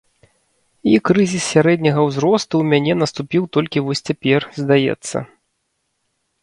І крызіс сярэдняга ўзросту ў мяне наступіў толькі вось цяпер, здаецца.